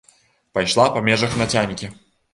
Пайшла па межах нацянькі.